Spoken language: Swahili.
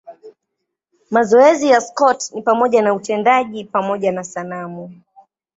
Mazoezi ya Scott ni pamoja na utendaji pamoja na sanamu.